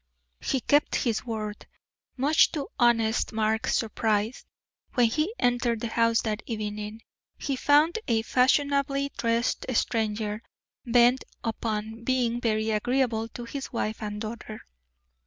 He kept his word. Much to honest Mark's surprise, when he entered the house that evening, he found a fashionably dressed stranger, bent upon being very agreeable to his wife and daughter.